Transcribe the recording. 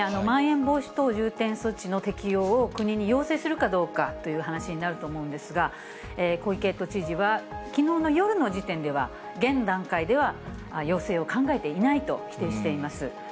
まん延防止等重点措置の適用を、国に要請するかどうかという話しになると思うんですが、小池都知事は、きのうの夜の時点では、現段階では要請を考えていないと否定しています。